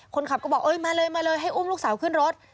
คนขับก็บอกมาเลยให้อุ้มลูกสาวขึ้นรถ